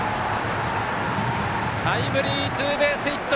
タイムリーツーベースヒット！